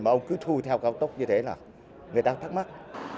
mà ông cứ thu theo cao tốc như thế là người ta thắc mắc